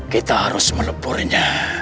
kita harus melepurnya